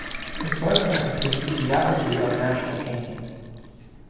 His works are considered the apogee of national painting.